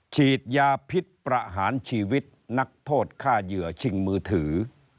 ฉีดยาพิษประหารชีวิตนักโทษฆ่าเหยื่อชิงมือถือ